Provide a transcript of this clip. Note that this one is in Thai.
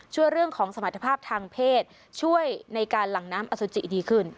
ช่วยเรื่องของสมรรถภาพทางเพศช่วยในการหลั่งน้ำอสุจิดีขึ้น